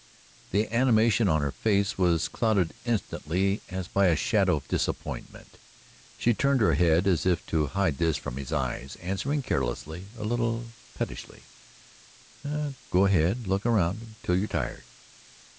The animation of her face was clouded instantly as by a shadow of disappointment. She turned her head as if to hide this from his eyes, answering carelessly, a little pettishly: "Go ahead; look around till you're tired."